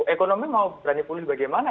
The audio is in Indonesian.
ekonomi mau berani pulih bagaimana